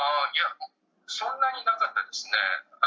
そんなになかったですね。